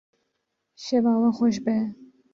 Şeva we xweş be.